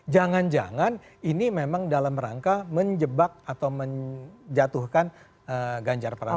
jangan jangan ini memang dalam rangka menjebak atau menjatuhkan ganjar pranowo